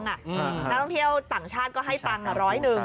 นักท่องเที่ยวต่างชาติก็ให้ตังค์ร้อยหนึ่ง